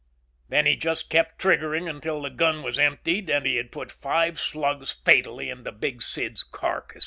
Then he just kept triggering until the gun was emptied and he had put five slugs fatally into Big Sid's carcass.